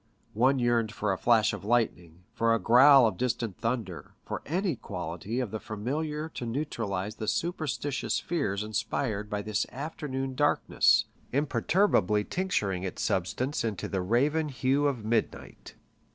One yearned for a flash of lightning, for the growl of distant thunder, for any quality of the familiar to neutralize the superstitious fears inspired by this afternoon darkness, imperturbably tincturing its substance into the raven hue of midnight.